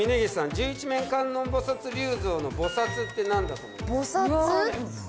十一面観音菩薩立像の菩薩って何だと思いますか？